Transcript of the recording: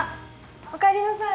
おかえりなさい。